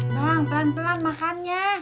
bang pelan pelan makan ya